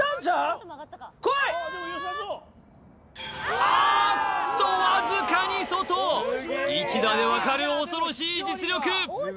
あーっとわずかに外１打で分かる恐ろしい実力